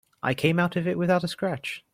I came out of it without a scratch.